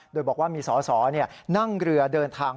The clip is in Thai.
โดยบอกว่ามีสอสอนั่งเรือเดินทาง